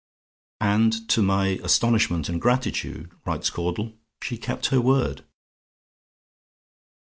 "And to my astonishment and gratitude," writes Caudle, "she kept her word."